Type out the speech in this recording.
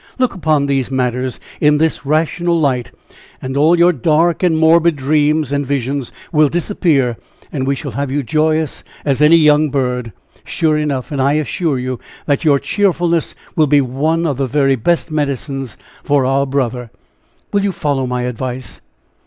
Look upon these matters in this rational light, and all your dark and morbid dreams and visions will disappear; and we shall have you joyous as any young bird, sure enough. And I assure you, that your cheerfulness will be one of the very best medicines for our brother. Will you follow my advice?"